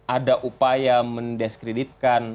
ada upaya mendeskreditkan